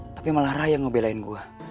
tapi malah raya ngebelain gue